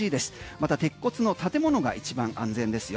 また鉄骨の建物が一番安全ですよ。